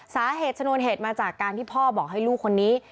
ชนวนเหตุมาจากการที่พ่อบอกให้ลูกคนนี้